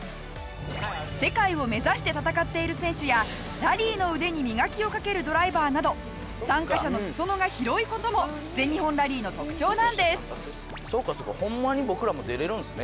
世界を目指して戦っている選手やラリーの腕に磨きをかけるドライバーなど参加者の裾野が広い事も全日本ラリーの特徴なんです。